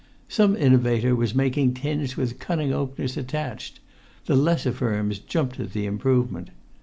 Some innovator was making tins with cunning openers attached; the lesser firms jumped at the improvement.